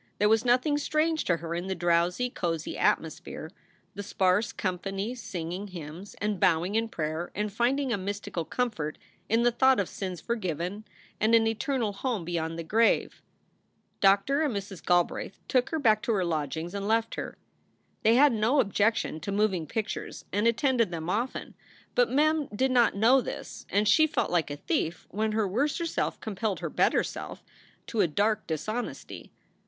There was nothing strange to her in the drowsy, cozy atmosphere, the sparse company singing hymns and bowing in prayer and finding a mystical comfort in the thought of sins forgiven and an eternal home beyond the grave. Doctor and Mrs. Galbraith took her back to her lodgings and left her. They had no objection to moving pictures and 9 o SOULS FOR SALE attended them often, but Mem did not know this, and she felt like a thief when her worser self compelled her better self to a dark dishonesty.